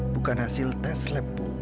bukan hasil tes lab